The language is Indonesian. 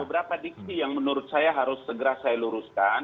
ada dua ada beberapa diksi yang menurut saya harus segera saya luruskan